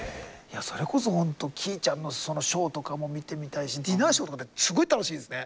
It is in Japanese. それこそ本当きーちゃんのショーとかも見てみたいしディナーショーとかすごい楽しいんですね。